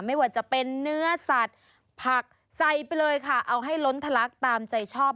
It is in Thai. ไม่ว่าจะเป็นเนื้อสัตว์ผักใส่ไปเลยค่ะเอาให้ล้นทะลักตามใจชอบ